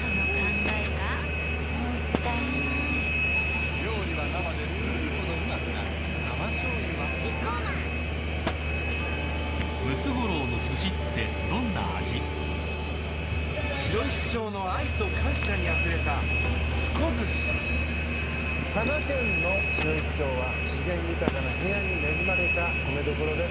その考えがもったいないジュー生しょうゆはキッコーマン佐賀県の白石町は自然豊かな平野に恵まれた米どころです。